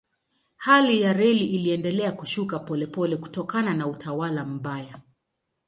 Hali ya reli iliendelea kushuka polepole kutokana na utawala mbaya.